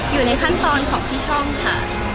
อยู่ในขั้นตอนของที่ช่องค่ะ